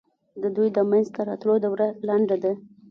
د دوی د منځته راتلو دوره لنډه ده.